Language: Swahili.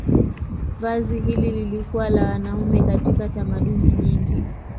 Vazi hili lilikuwa la wanaume katika tamaduni nyingi.